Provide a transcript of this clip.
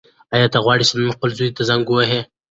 ایا ته غواړې چې نن خپل زوی ته زنګ ووهې؟